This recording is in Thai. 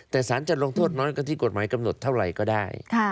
แต่สารจะลงโทษน้อยกว่าที่กฎหมายกำหนดเท่าไหร่ก็ได้